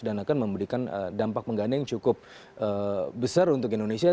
dan akan memberikan dampak pengganda yang cukup besar untuk indonesia